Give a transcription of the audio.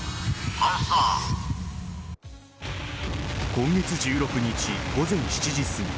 今月１６日午前７時すぎ